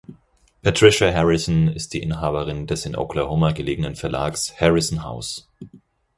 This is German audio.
Patricia Harrison ist die Inhaberin des in Oklahoma gelegenen Verlags "Harrison House".